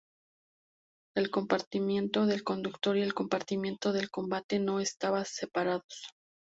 El compartimiento del conductor y el compartimiento de combate no estaban separados.